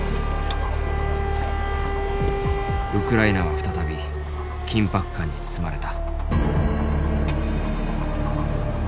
ウクライナは再び緊迫感に包まれた。